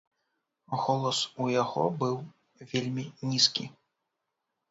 Голас у яго быў вельмі нізкі.